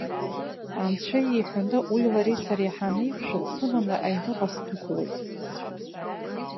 Анцәа иҳәаны, уи лареи сареи ҳанеиқәшәа, дсыманы аҩныҟа сдәықәлоит.